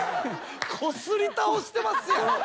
こすり倒してますやん。